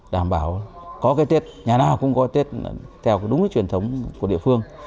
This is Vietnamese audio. đảm bảo có cái tết nhà nào cũng có tết theo đúng cái truyền thống của địa phương